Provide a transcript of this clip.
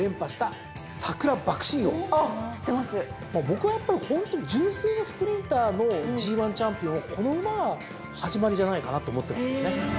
僕はやっぱりホント純粋なスプリンターのＧⅠチャンピオンはこの馬が始まりじゃないかなと思ってますね。